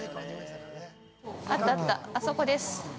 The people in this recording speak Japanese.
◆あったあった、あそこです。